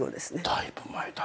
だいぶ前だ。